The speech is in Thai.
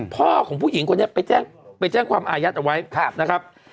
พ่อของผู้หญิงคนนี้ไปแจ้งความอายัดเอาไว้นะครับ